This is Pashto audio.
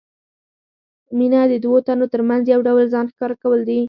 مینه د دوو تنو ترمنځ یو ډول ځان ښکاره کول دي.